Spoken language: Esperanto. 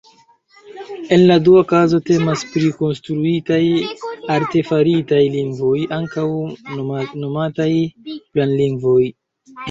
En la dua kazo temas pri konstruitaj, artefaritaj lingvoj, ankaŭ nomataj "planlingvoj".